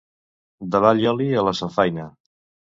de l'allioli a la samfaina